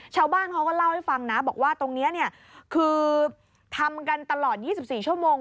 ชาวบ้านเขาก็เล่าให้ฟังนะบอกว่าตรงนี้เนี่ยคือทำกันตลอด๒๔ชั่วโมง